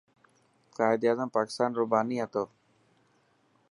قائداعظم پاڪستان رو باني هتو.